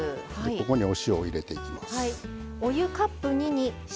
ここにお塩を入れていきます。